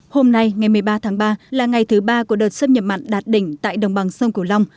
hôm nay ngày một mươi ba tháng ba là ngày thứ ba của đợt xâm nhập mặn đạt đỉnh tại đồng bằng sông cửu long